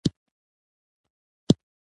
طبقې کيدى شي چې د پانګه وال او کارګر ترمنځ